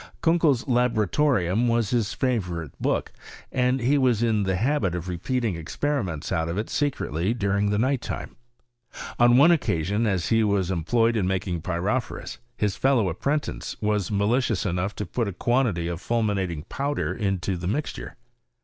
Kan kei's Laboratorium was his favourite book, and ll« was in the habit of repeating experiments o»t of it secretly during the night time. On one occasion, as he was employed in making pyrophorns, his fellow apprentice was malicious enough to put a quantity of fulminating powder into the isixturt.